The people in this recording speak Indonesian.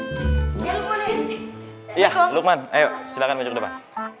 iya lukman ayo silakan menuju ke depan